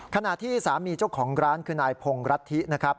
ขณะที่สามีเจ้าของร้านคือนายพงรัฐธินะครับ